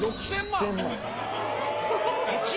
６０００万？